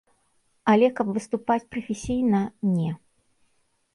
Але каб выступаць прафесійна, не.